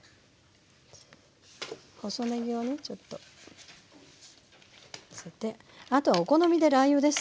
細ねぎをねちょっとのせてあとはお好みでラー油です。